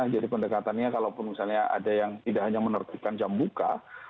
jadi pendekatannya kalaupun misalnya ada yang tidak hanya menertibkan jam buka